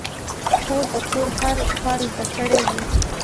خور د کور هر کار زده کړی وي.